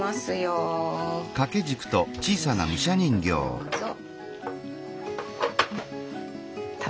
どうぞ。